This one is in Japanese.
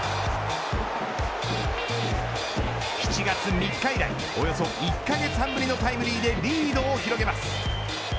７月３日以来およそ１カ月半ぶりのタイムリーでリードを広げます。